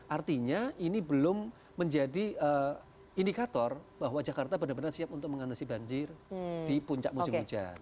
artinya ini belum menjadi indikator bahwa jakarta benar benar siap untuk mengatasi banjir di puncak musim hujan